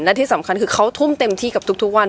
และที่สำคัญคือเขาทุ่มเต็มที่กับทุกวัน